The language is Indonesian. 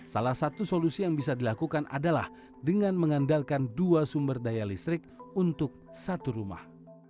salah satu solusi yang bisa dilakukan adalah dengan mengandalkan dua sumber daya listrik untuk satu rumah